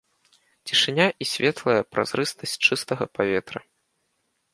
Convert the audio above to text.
Цішыня і светлая празрыстасць чыстага паветра.